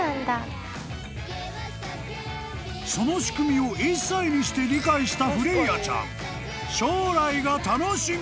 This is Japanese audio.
［その仕組みを１歳にして理解したフレイヤちゃん］